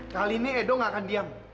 kali ini edo nggak akan diam